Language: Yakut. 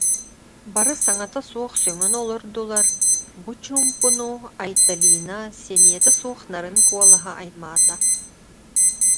Бары саҥата суох сөҥөн олордулар, бу чуумпуну Айталина сэниэтэ суох нарын куолаһа аймаата: